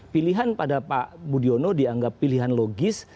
pilihan pada pak budiono dianggap pilihan logis